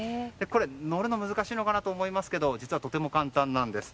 乗るの難しいのかなと思いますが実はとても簡単なんです。